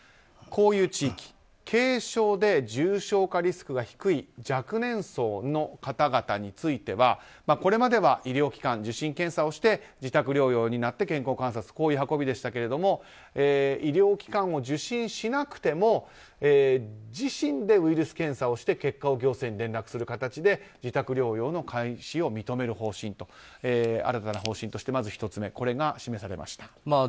こういう地域軽症で重症化リスクが低い若年層の方々についてはこれまでは医療機関を受診・検査をして自宅療養になり健康観察というこういう運びでしたが医療機関を受診しなくても自身でウイルス検査をして結果を行政に連絡する形で自宅療養の開始を認める方針と新たな方針としてこれが示されました。